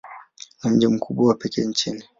Ni mji mkubwa wa pekee nchini.